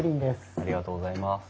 ありがとうございます。